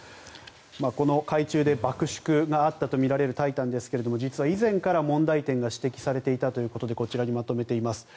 海中で爆縮があったとみられる「タイタン」ですが実は以前から問題点が指摘されていたということでこちらにまとめています。